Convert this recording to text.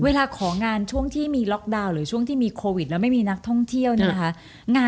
เวลาของงานช่วงที่มีล็อกดาวน์หรือช่วงที่มีโควิดแล้วไม่มีนักท่องเที่ยวเนี่ยนะคะ